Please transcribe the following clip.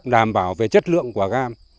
đảm bảo về chất lượng của cam